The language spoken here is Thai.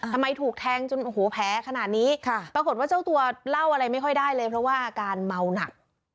ทำไมถูกแทงจนโอ้โหแผลขนาดนี้ปรากฏว่าเจ้าตัวเล่าอะไรไม่ค่อยได้เลยเพราะว่าอาการเมาหนัก